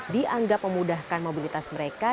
dianggap memudahkan mobilitas mereka